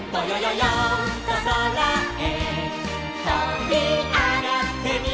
よんとそらへとびあがってみよう」